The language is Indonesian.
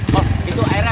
jalan dulu ya